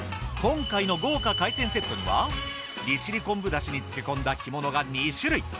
今回の豪華海鮮セットには利尻昆布出汁に漬け込んだ干物が２種類。